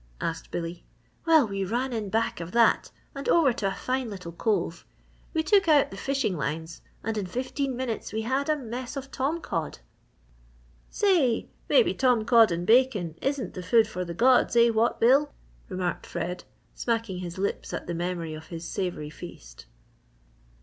asked Billy. "Well, we ran in back of that and over to a fine little cove. We took out the fishing lines and in fifteen minutes we had a mess of tom cod." "Say, maybe tom cod and bacon isn't the food for the gods! eh what, Bill!" remarked Fred, smacking his lips at the memory of his savoury feast.